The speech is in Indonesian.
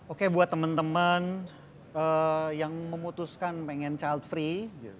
oke buat temen temen yang memutuskan pengen child free